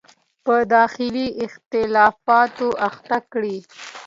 په داخلي اختلافاتو اخته کړي.